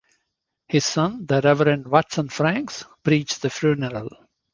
His son, the Reverend Watson Franks, preached the funeral.